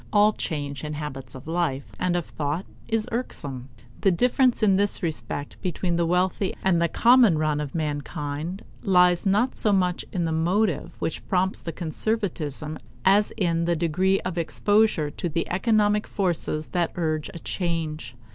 All change in habits of life and of thought is irksome. The difference in this respect between the wealthy and the common run of mankind lies not so much in the motive which prompts to conservatism as in the degree of exposure to the economic forces that urge a change.